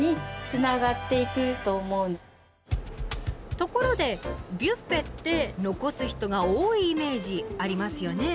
ところでビュッフェって残す人が多いイメージありますよね？